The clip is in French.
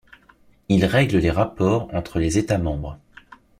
Il règle les rapports entre les États membres.